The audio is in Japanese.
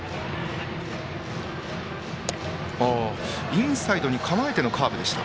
インサイドに構えてのカーブでした。